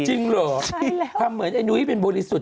จริงเหรอทำเหมือนไอ้นุ้ยเป็นบริสุทธิ์